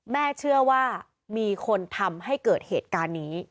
แม่เชื่อว่ามีคนทำให้เกิดเหตุการณ์นี้